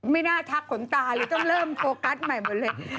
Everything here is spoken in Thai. ไม่น่าทักขนตาเลยต้องเริ่มโฟกัสใหม่หมดเลย